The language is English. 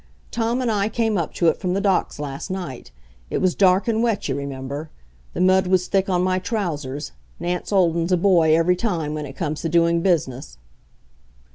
Tom and I came up to it from the docks last night. It was dark and wet, you remember. The mud was thick on my trousers Nance Olden's a boy every time when it comes to doing business.